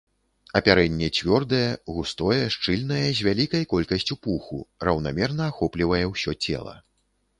Апярэнне цвёрдае, густое, шчыльнае з вялікай колькасцю пуху, раўнамерна ахоплівае ўсё цела.